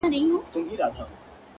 الوتني کوي ـ